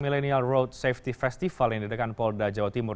millennial road safety festival yang didakan polda jawa timur